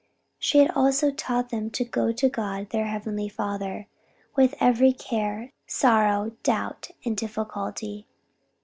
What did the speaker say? She had also taught them to go to God their heavenly Father, with every care, sorrow, doubt and difficulty.